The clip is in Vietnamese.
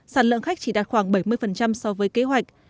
sản lượng khách chỉ đạt khoảng bảy mươi so với kế hoạch